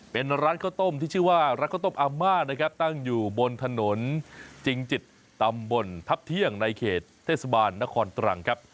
เป็นร้านข้าวต้มที่ชื่อว่าร้านข้าวต้มอาม่านะครับตั้งอยู่บนถนนจริงจิตตำบลทัพเที่ยงในเขตเทศบาลนครตรังครับ